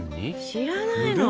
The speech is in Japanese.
知らないの？